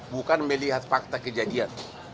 bukan melihat fakta kejadian